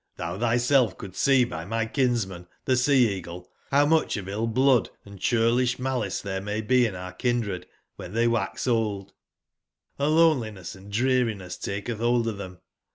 Cbou tbyself couldst see by my kinsman, tbe Sea/ eagle, bow mucb of ill blood and cburlisb malice tbere may be in our kindred wben tbey wax old, and loneliness and dreariness taketb bold of tbem.